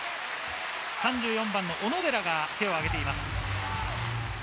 ３４番の小野寺が手を上げています。